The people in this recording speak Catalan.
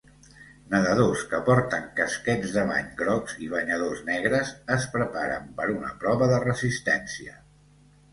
Nedadors que porten casquets de bany grocs i banyadors negres es preparen per una prova de resistència